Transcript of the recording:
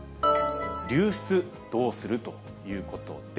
流出どうするということで。